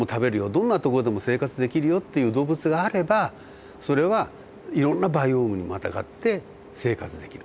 どんなとこでも生活できるよっていう動物があればそれはいろんなバイオームにまたがって生活できる。